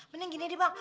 mending gini nih mak